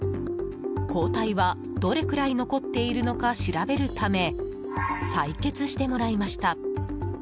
抗体はどれくらい残っているのか調べるため採血してもらいました。